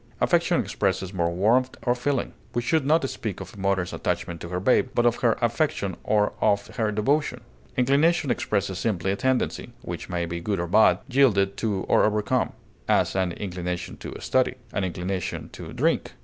Affection expresses more warmth of feeling; we should not speak of a mother's attachment to her babe, but of her affection or of her devotion. Inclination expresses simply a tendency, which may be good or bad, yielded to or overcome; as, an inclination to study; an inclination to drink.